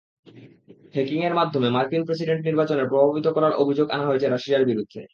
হ্যাকিংয়ে মাধ্যমে মার্কিন প্রেসিডেন্ট নির্বাচন প্রভাবিত করার অভিযোগ আনা হয়েছে রাশিয়ার বিরুদ্ধে।